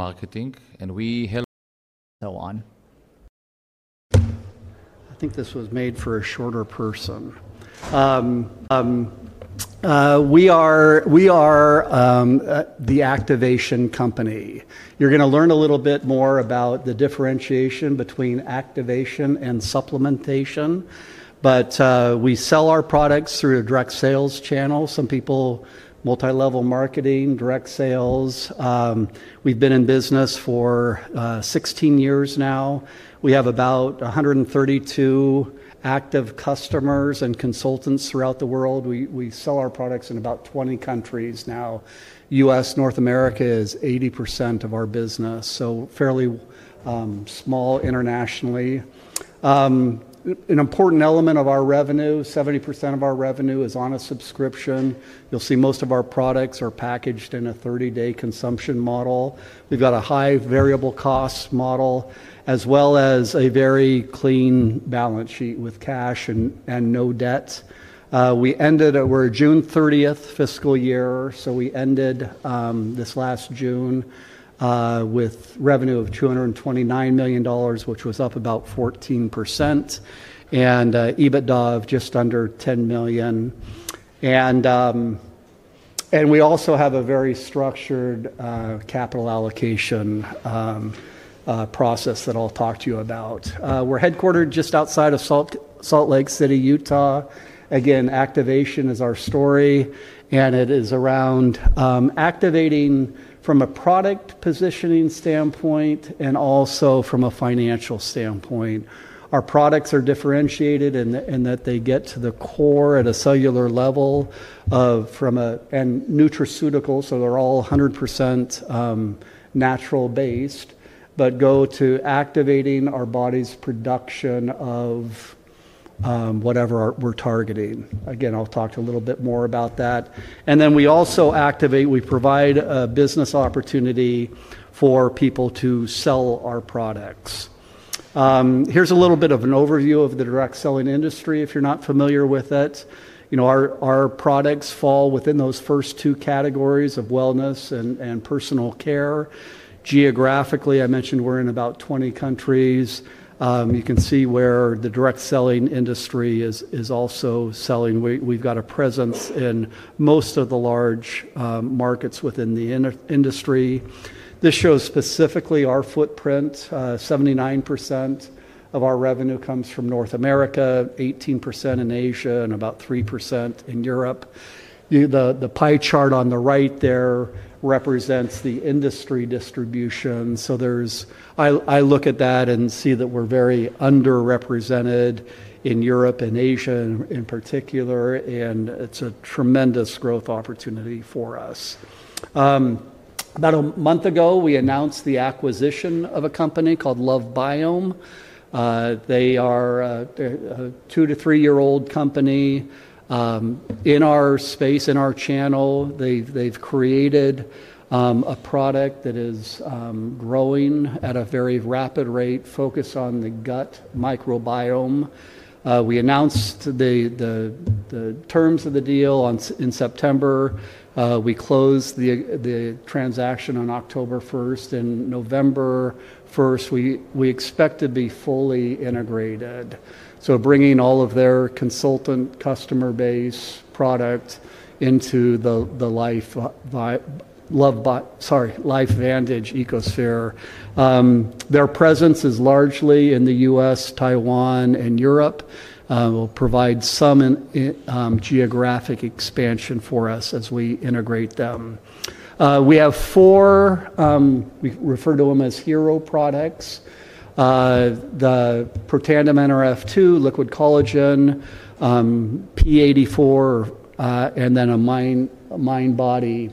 Marketing, and we help so on. I think this was made for a shorter person. We are the activation company. You're going to learn a little bit more about the differentiation between activation and supplementation. We sell our products through a direct sales channel. Some people, multi-level marketing, direct sales. We've been in business for 16 years now. We have about 132,000 active customers and consultants throughout the world. We sell our products in about 20 countries now. U.S., North America is 80% of our business, so fairly small internationally. An important element of our revenue, 70% of our revenue is on a subscription. You'll see most of our products are packaged in a 30-day consumption model. We've got a high variable cost model, as well as a very clean balance sheet with cash and no debt. We ended at, we're at June 30th fiscal year. We ended this last June with revenue of $229 million, which was up about 14%, and EBITDA of just under $10 million. We also have a very structured capital allocation process that I'll talk to you about. We're headquartered just outside of Salt Lake City, Utah. Again, activation is our story, and it is around activating from a product positioning standpoint and also from a financial standpoint. Our products are differentiated in that they get to the core at a cellular level from a nutraceutical. They're all 100% natural-based, but go to activating our body's production of whatever we're targeting. I'll talk a little bit more about that. We also activate, we provide a business opportunity for people to sell our products. Here's a little bit of an overview of the direct selling industry if you're not familiar with it. Our products fall within those first two categories of wellness and personal care. Geographically, I mentioned we're in about 20 countries. You can see where the direct selling industry is also selling. We've got a presence in most of the large markets within the industry. This shows specifically our footprint. 79% of our revenue comes from North America, 18% in Asia, and about 3% in Europe. The pie chart on the right there represents the industry distribution. I look at that and see that we're very underrepresented in Europe and Asia in particular, and it's a tremendous growth opportunity for us. About a month ago, we announced the acquisition of a company called LoveBiome. They are a two to three-year-old company in our space, in our channel. They've created a product that is growing at a very rapid rate, focused on the gut microbiome. We announced the terms of the deal in September. We closed the transaction on October 1. November 1, we expect to be fully integrated, bringing all of their consultant, customer base, and product into the LifeVantage ecosphere. Their presence is largely in the U.S., Taiwan, and Europe. It will provide some geographic expansion for us as we integrate them. We have four, we refer to them as hero products: the Protandim Nrf2, TrueScience Liquid Collagen, P84, and then MindBody GLP-1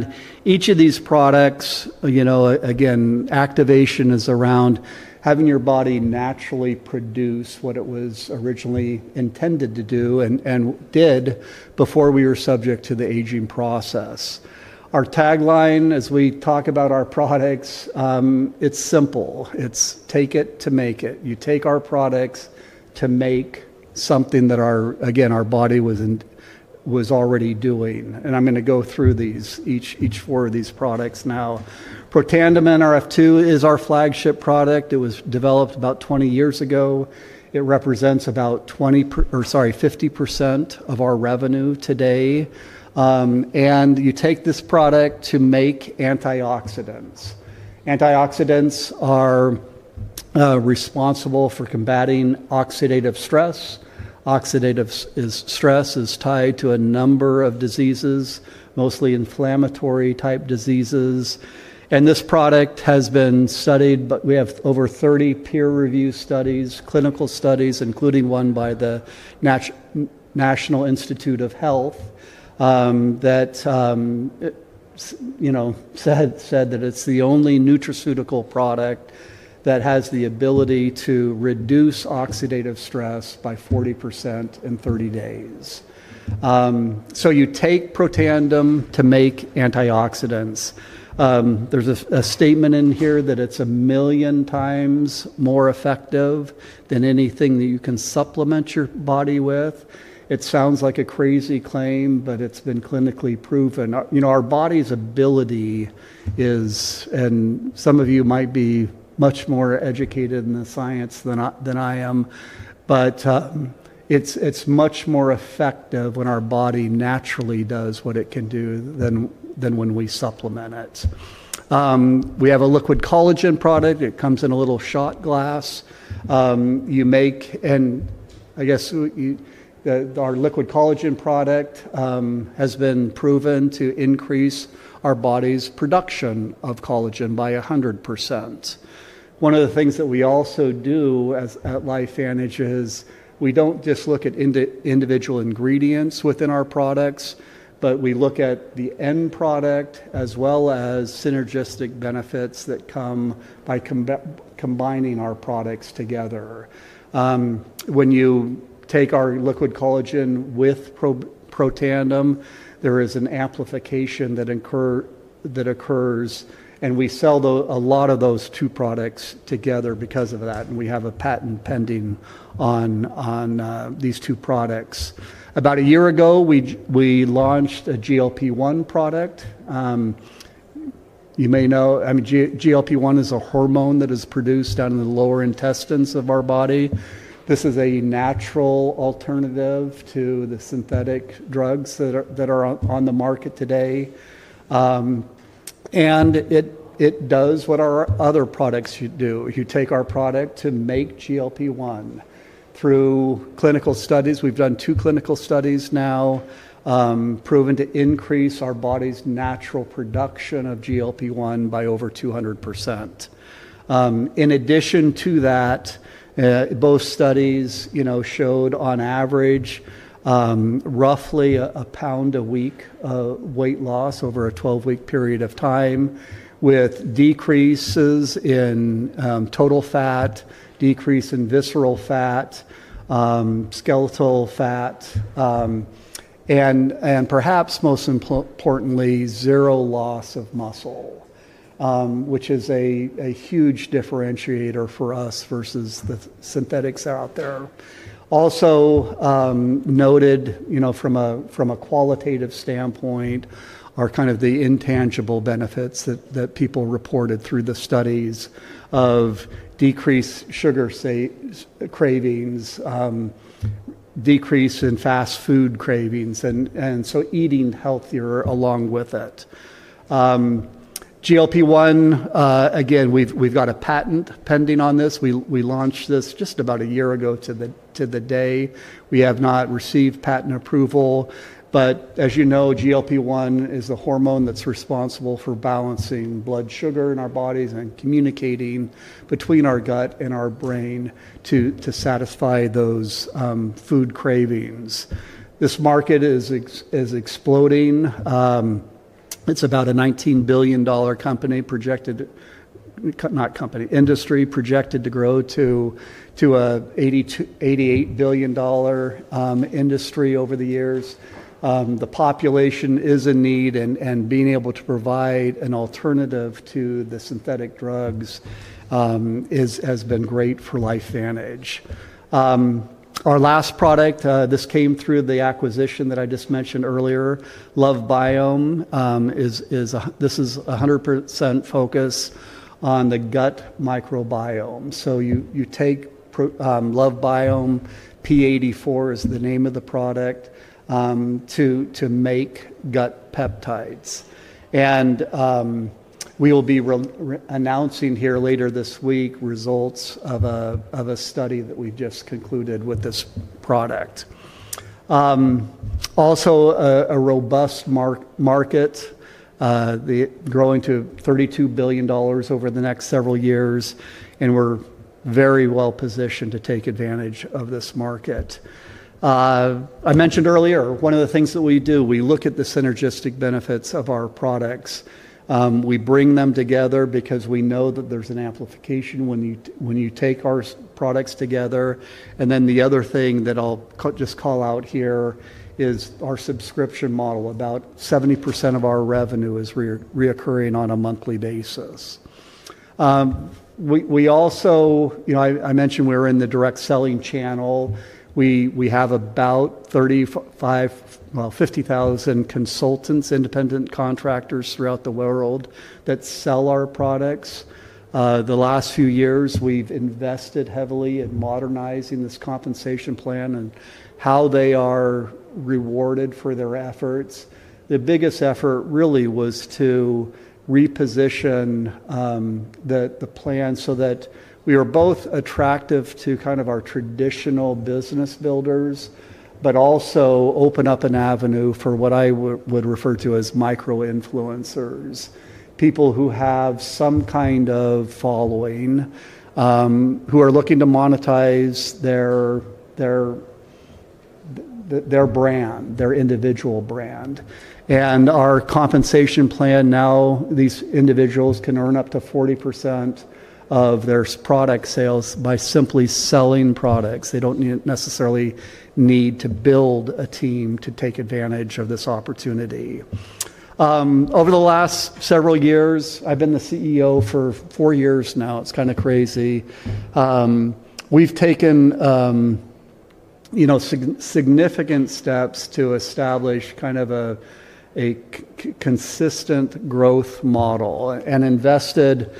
System. Each of these products, activation is around having your body naturally produce what it was originally intended to do and did before we were subject to the aging process. Our tagline, as we talk about our products, it's simple. It's take it to make it. You take our products to make something that, again, our body was already doing. I'm going to go through each four of these products now. Protandim Nrf2 is our flagship product. It was developed about 20 years ago. It represents about 50% of our revenue today. You take this product to make antioxidants. Antioxidants are responsible for combating oxidative stress. Oxidative stress is tied to a number of diseases, mostly inflammatory-type diseases. This product has been studied. We have over 30 peer-reviewed studies, clinical studies, including one by the National Institutes of Health that said that it's the only nutraceutical product that has the ability to reduce oxidative stress by 40% in 30 days. You take Protandim to make antioxidants. There's a statement in here that it's a million times more effective than anything that you can supplement your body with. It sounds like a crazy claim, but it's been clinically proven. Our body's ability is, and some of you might be much more educated in the science than I am, but it's much more effective when our body naturally does what it can do than when we supplement it. We have a liquid collagen product. It comes in a little shot glass. Our liquid collagen product has been proven to increase our body's production of collagen by 100%. One of the things that we also do at LifeVantage is we don't just look at individual ingredients within our products, but we look at the end product as well as synergistic benefits that come by combining our products together. When you take our TrueScience Liquid Collagen with Protandim Nrf2, there is an amplification that occurs. We sell a lot of those two products together because of that. We have a patent pending on these two products. About a year ago, we launched a GLP-1 System product. You may know, I mean, GLP-1 is a hormone that is produced in the lower intestines of our body. This is a natural alternative to the synthetic drugs that are on the market today. It does what our other products do. You take our product to make GLP-1. Through clinical studies, we've done two clinical studies now, proven to increase our body's natural production of GLP-1 by over 200%. In addition to that, both studies showed on average roughly a pound a week of weight loss over a 12-week period of time with decreases in total fat, decrease in visceral fat, skeletal fat, and perhaps most importantly, zero loss of muscle, which is a huge differentiator for us versus the synthetics out there. Also noted from a qualitative standpoint are kind of the intangible benefits that people reported through the studies of decreased sugar cravings, decrease in fast food cravings, and eating healthier along with it. GLP-1, again, we've got a patent pending on this. We launched this just about a year ago to the day. We have not received patent approval. As you know, GLP-1 is the hormone that's responsible for balancing blood sugar in our bodies and communicating between our gut and our brain to satisfy those food cravings. This market is exploding. It's about a $19 billion industry projected to grow to an $88 billion industry over the years. The population is in need, and being able to provide an alternative to the synthetic drugs has been great for LifeVantage. Our last product, this came through the acquisition that I just mentioned earlier, LoveBiome. This is 100% focused on the gut microbiome. You take LoveBiome, P84 is the name of the product, to make gut peptides. We will be announcing here later this week results of a study that we just concluded with this product. Also, a robust market, growing to $32 billion over the next several years. We're very well positioned to take advantage of this market. I mentioned earlier, one of the things that we do, we look at the synergistic benefits of our products. We bring them together because we know that there's an amplification when you take our products together. The other thing that I'll just call out here is our subscription model. About 70% of our revenue is recurring on a monthly basis. I mentioned we're in the direct selling channel. We have about 35, well, 50,000 consultants, independent contractors throughout the world that sell our products. The last few years, we've invested heavily in modernizing this compensation plan and how they are rewarded for their efforts. The biggest effort really was to reposition the plan so that we are both attractive to kind of our traditional business builders, but also open up an avenue for what I would refer to as micro-influencers, people who have some kind of following, who are looking to monetize their brand, their individual brand. Our compensation plan now, these individuals can earn up to 40% of their product sales by simply selling products. They don't necessarily need to build a team to take advantage of this opportunity. Over the last several years, I've been the CEO for four years now. It's kind of crazy. We've taken significant steps to establish kind of a consistent growth model. Invested,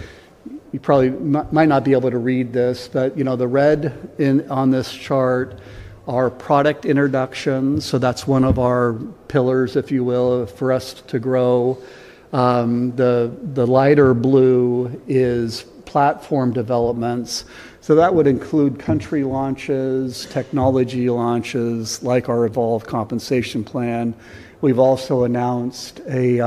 you probably might not be able to read this, but the red on this chart are product introductions. That's one of our pillars, if you will, for us to grow. The lighter blue is platform developments. That would include country launches, technology launches like our Evolve Compensation Plan. We've also announced a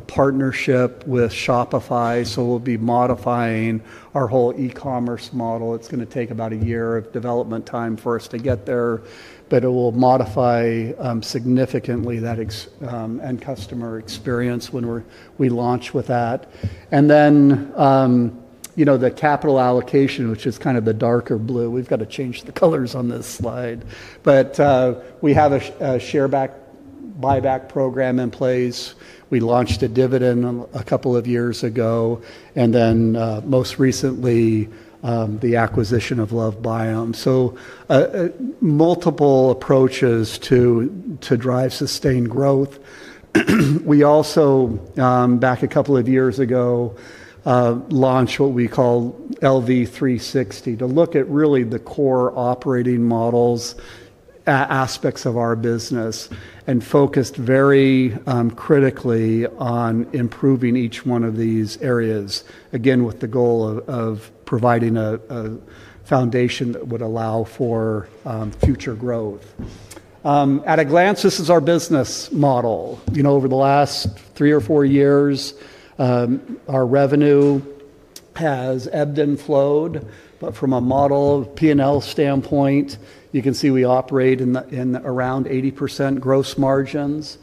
partnership with Shopify. We'll be modifying our whole e-commerce model. It's going to take about a year of development time for us to get there. It will modify significantly that end customer experience when we launch with that. The capital allocation, which is kind of the darker blue. We've got to change the colors on this slide. We have a share buyback program in place. We launched a dividend a couple of years ago. Most recently, the acquisition of LoveBiome. Multiple approaches to drive sustained growth. A couple of years ago, we launched what we call LV360 to look at really the core operating models, aspects of our business, and focused very critically on improving each one of these areas, again, with the goal of providing a foundation that would allow for future growth. At a glance, this is our business model. Over the last three or four years, our revenue has ebbed and flowed. From a model P&L standpoint, you can see we operate in around 80% gross margins.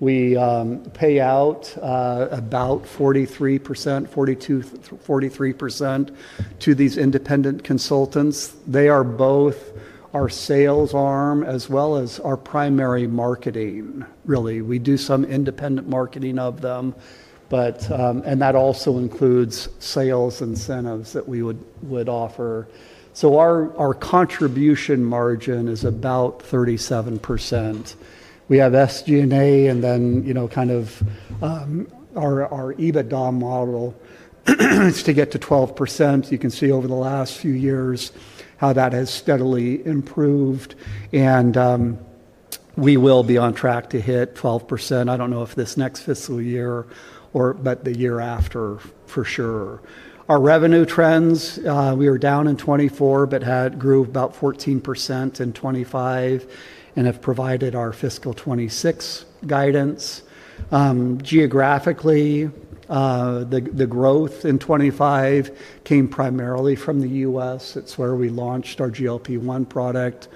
We pay out about 43% to these independent consultants. They are both our sales arm as well as our primary marketing, really. We do some independent marketing of them. That also includes sales incentives that we would offer. Our contribution margin is about 37%. We have SG&A and then kind of our EBITDA model. It's to get to 12%. You can see over the last few years how that has steadily improved. We will be on track to hit 12%. I don't know if this next fiscal year or the year after for sure. Our revenue trends, we were down in 2024 but grew about 14% in 2025 and have provided our fiscal 2026 guidance. Geographically, the growth in 2025 came primarily from the U.S. It's where we launched our GLP-1 product.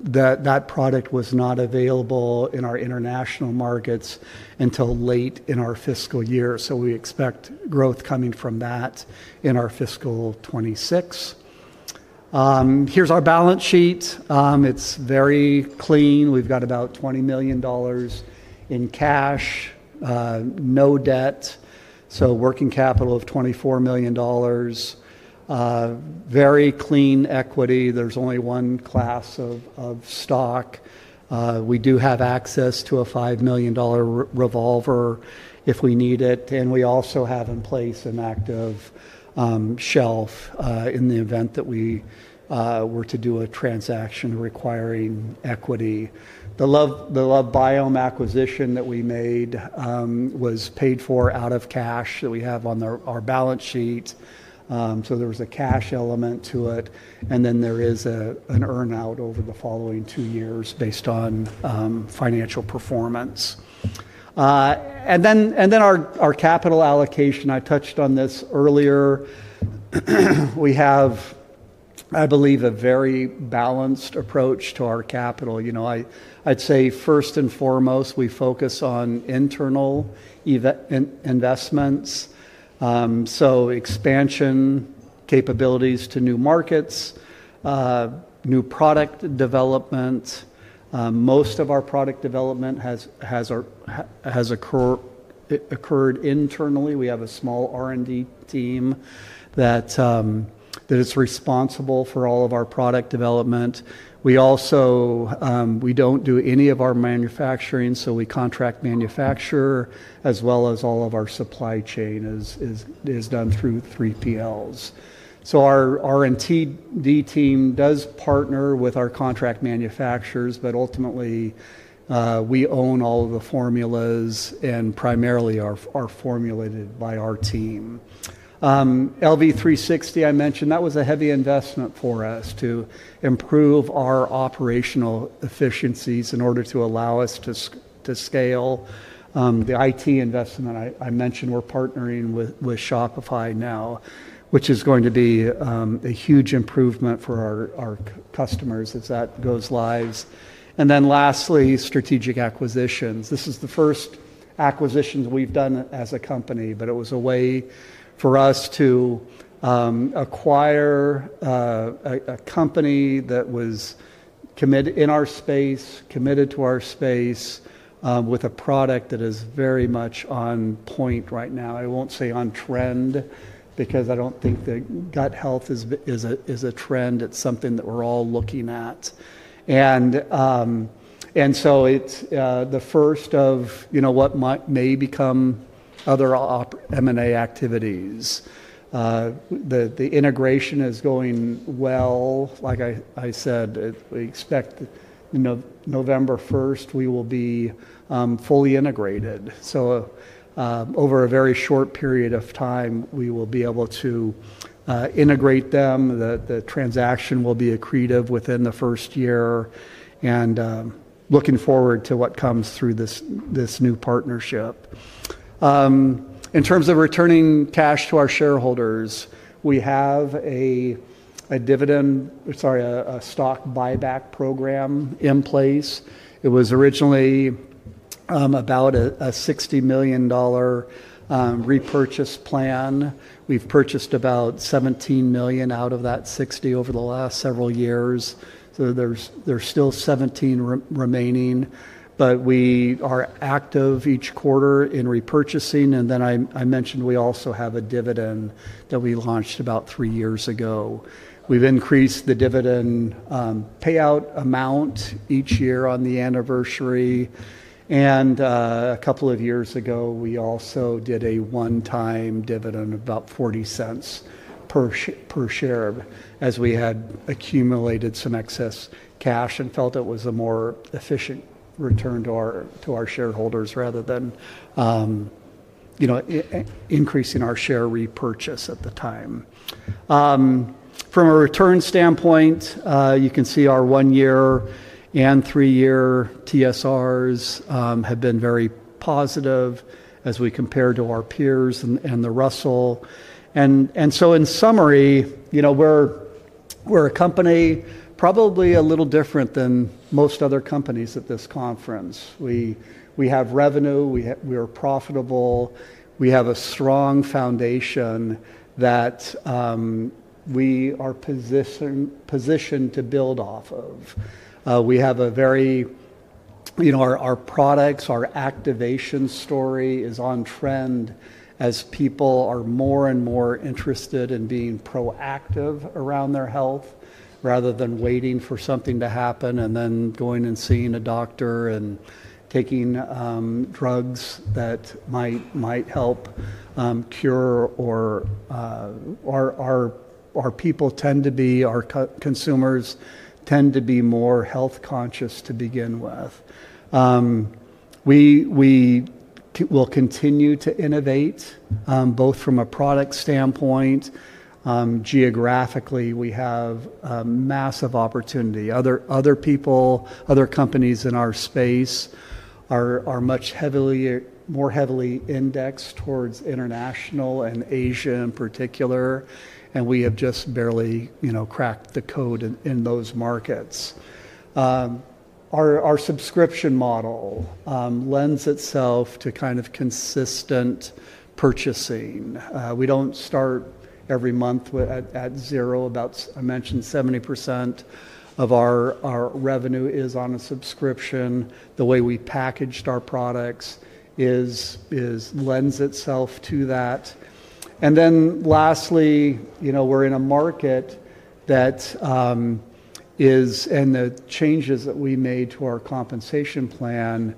That product was not available in our international markets until late in our fiscal year. We expect growth coming from that in our fiscal 2026. Here's our balance sheet. It's very clean. We've got about $20 million in cash, no debt. Working capital of $24 million. Very clean equity. There's only one class of stock. We do have access to a $5 million revolver if we need it. We also have in place an active shelf in the event that we were to do a transaction requiring equity. The LoveBiome acquisition that we made was paid for out of cash that we have on our balance sheet. There was a cash element to it. Then there is an earnout over the following two years based on financial performance. Our capital allocation, I touched on this earlier. We have, I believe, a very balanced approach to our capital. I'd say first and foremost, we focus on internal investments. Expansion capabilities to new markets, new product development. Most of our product development has occurred internally. We have a small R&D team that is responsible for all of our product development. We also don't do any of our manufacturing. We contract manufacture as well as all of our supply chain is done through 3PLs. Our R&D team does partner with our contract manufacturers, but ultimately, we own all of the formulas and primarily are formulated by our team. LV360, I mentioned, that was a heavy investment for us to improve our operational efficiencies in order to allow us to scale. The IT investment, I mentioned, we're partnering with Shopify now, which is going to be a huge improvement for our customers as that goes live. Lastly, strategic acquisitions. This is the first acquisition that we've done as a company, but it was a way for us to acquire a company that was committed in our space, committed to our space with a product that is very much on point right now. I won't say on trend because I don't think that gut health is a trend. It's something that we're all looking at. It is the first of what may become other M&A activities. The integration is going well. Like I said, we expect November 1, we will be fully integrated. Over a very short period of time, we will be able to integrate them. The transaction will be accretive within the first year. Looking forward to what comes through this new partnership. In terms of returning cash to our shareholders, we have a dividend, sorry, a stock buyback program in place. It was originally about a $60 million repurchase plan. We've purchased about $17 million out of that $60 million over the last several years. There is still $17 million remaining. We are active each quarter in repurchasing. I mentioned we also have a dividend that we launched about three years ago. We've increased the dividend payout amount each year on the anniversary. A couple of years ago, we also did a one-time dividend of about $0.40 per share as we had accumulated some excess cash and felt it was a more efficient return to our shareholders rather than increasing our share repurchase at the time. From a return standpoint, you can see our one-year and three-year TSRs have been very positive as we compare to our peers and the Russell. In summary, we're a company probably a little different than most other companies at this conference. We have revenue. We are profitable. We have a strong foundation that we are positioned to build off of. Our products, our activation story is on trend as people are more and more interested in being proactive around their health rather than waiting for something to happen and then going and seeing a doctor and taking drugs that might help cure. Our consumers tend to be more health conscious to begin with. We will continue to innovate both from a product standpoint. Geographically, we have a massive opportunity. Other companies in our space are much more heavily indexed towards international and Asia in particular. We have just barely cracked the code in those markets. Our subscription model lends itself to kind of consistent purchasing. We don't start every month at zero. I mentioned 70% of our revenue is on a subscription. The way we packaged our products lends itself to that. Lastly, we're in a market that is, and the changes that we made to our compensation plan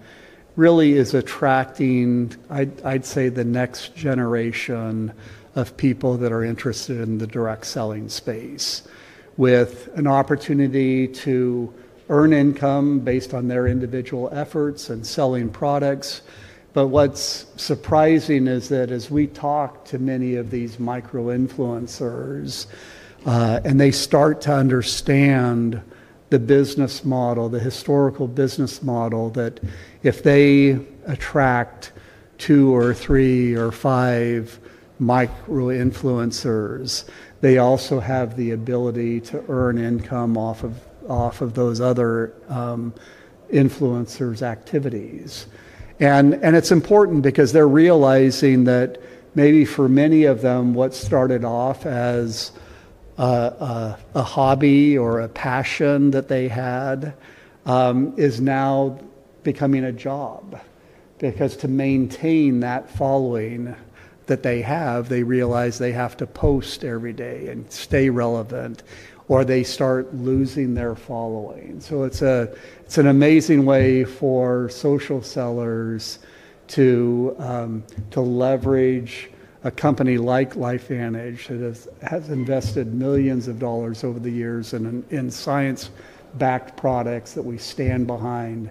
really is attracting, I'd say, the next generation of people that are interested in the direct selling space with an opportunity to earn income based on their individual efforts and selling products. What's surprising is that as we talk to many of these micro-influencers, and they start to understand the business model, the historical business model that if they attract two or three or five micro-influencers, they also have the ability to earn income off of those other influencers' activities. It's important because they're realizing that maybe for many of them, what started off as a hobby or a passion that they had is now becoming a job because to maintain that following that they have, they realize they have to post every day and stay relevant, or they start losing their following. It's an amazing way for social sellers to leverage a company like LifeVantage that has invested millions of dollars over the years in science-backed products that we stand behind,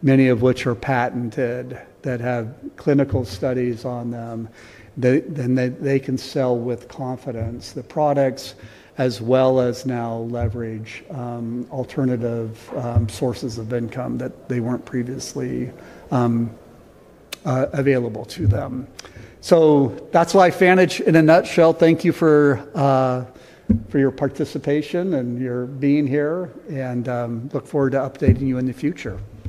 many of which are patented, that have clinical studies on them. They can sell with confidence the products as well as now leverage alternative sources of income that weren't previously available to them. That's LifeVantage in a nutshell. Thank you for your participation and your being here. I look forward to updating you in the future.